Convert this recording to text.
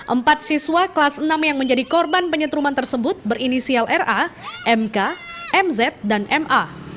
empat siswa kelas enam yang menjadi korban penyetruman tersebut berinisial ra mk mz dan ma